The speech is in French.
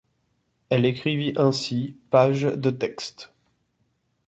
Elle écrivit ainsi pages de texte.